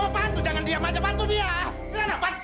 bantu jangan diam aja bantu dia